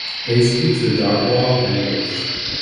They speak the Dargwa language.